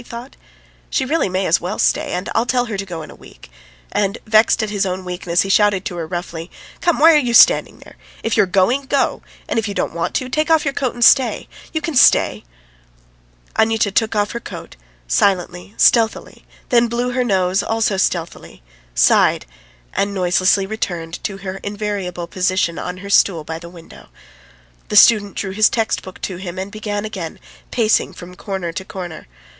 he thought. "She really may as well stay, and I'll tell her to go in a week;" and vexed at his own weakness, he shouted to her roughly: "Come, why are you standing there? If you are going, go; and if you don't want to, take off your coat and stay! You can stay!" Anyuta took off her coat, silently, stealthily, then blew her nose also stealthily, sighed, and noiselessly returned to her invariable position on her stool by the window. The student drew his textbook to him and began again pacing from corner to corner.